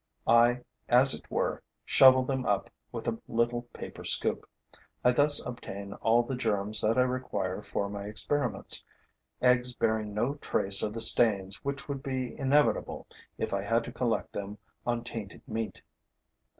I as it were shovel them up with a little paper scoop. I thus obtain all the germs that I require for my experiments, eggs bearing no trace of the stains which would be inevitable if I had to collect them on tainted meat.